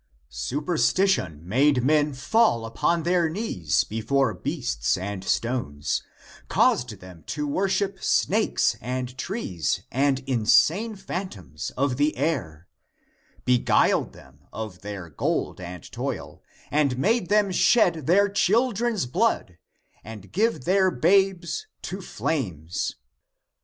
Superstition made men fall upon their knees before beasts and stones, caused them to worship snakes and trees and insane phantoms of the air, beguiled them of their gold and toil, and made them shed their children's blood and give their babes to flames.